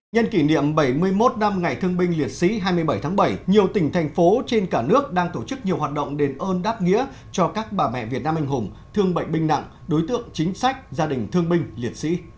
nhân kỷ niệm bảy mươi một năm ngày thương binh liệt sĩ hai mươi bảy tháng bảy nhiều tỉnh thành phố trên cả nước đang tổ chức nhiều hoạt động đền ơn đáp nghĩa cho các bà mẹ việt nam anh hùng thương bệnh binh nặng đối tượng chính sách gia đình thương binh liệt sĩ